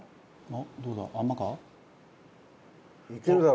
「どうだ？